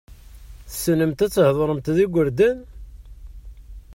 Tessnemt ad theḍṛemt d igurdan?